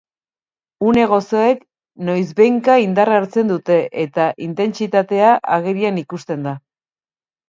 Une gozoek noizbehinka indarra hartzen dute eta intentsitatea agerian ikusten da.